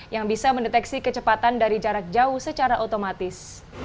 yang bisa mendeteksi kecepatan dari jarak jauh secara otomatis